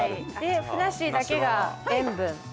でふなっしーだけが塩分。